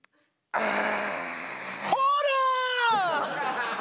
ああ。